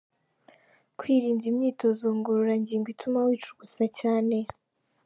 Kwirinda imyitozo ngororangingo ituma wicugusa cyane.